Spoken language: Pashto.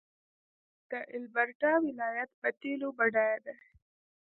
د البرټا ولایت په تیلو بډایه دی.